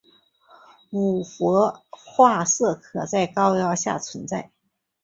五氟化铯可在高压下存在。